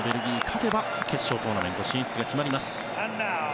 勝てば決勝トーナメント進出が決まります。